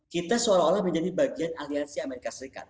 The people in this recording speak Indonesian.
kita seolah olah menjadi bagian aliansi amerika serikat